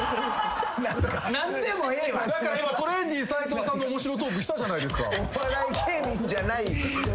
だから今トレンディ斎藤さんのおもしろトークしたじゃないですか。